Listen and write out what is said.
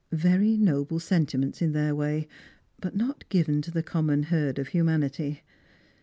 Very noble sentiments in their way, but not given to the common herd of humanity.